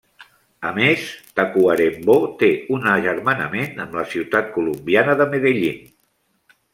A més, Tacuarembó té un agermanament amb la ciutat colombiana de Medellín.